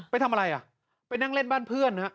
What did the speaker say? ไปทำอะไรอ่ะไปนั่งเล่นบ้านเพื่อนฮะ